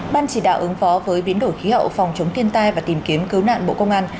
ban chỉ đạo ứng phó với biến đổi khí hậu phòng chống thiên tai và tìm kiếm cứu nạn bộ công an